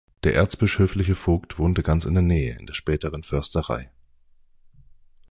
Der erzbischöfliche Vogt wohnte ganz in der Nähe, in der späteren Försterei.